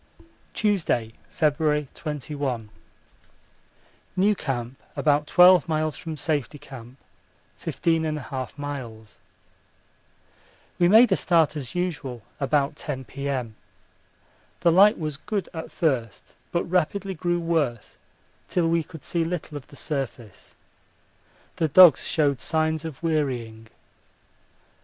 Tuesday, February 21. New Camp about 12 miles from Safety Camp. 15 1/2 miles. We made a start as usual about 10 P.M. The light was good at first, but rapidly grew worse till we could see little of the surface. The dogs showed signs of wearying.